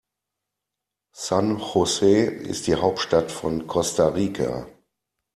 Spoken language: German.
San José ist die Hauptstadt von Costa Rica.